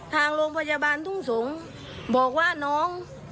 ทางโรงพยาบาลทุ่งสงศ์บอกว่าน้อง